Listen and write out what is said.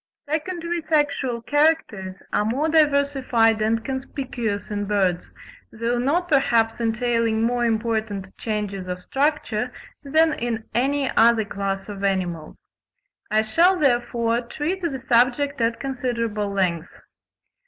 Secondary sexual characters are more diversified and conspicuous in birds, though not perhaps entailing more important changes of structure, than in any other class of animals. I shall, therefore, treat the subject at considerable length.